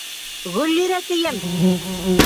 Гөллирә, тием!